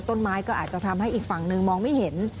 ต้นไม้ก็อาจจะทำให้อีกฝั่งหนึ่งมองไม่เห็น